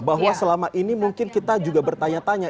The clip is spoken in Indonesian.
bahwa selama ini mungkin kita juga bertanya tanya